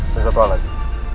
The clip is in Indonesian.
dan satu lagi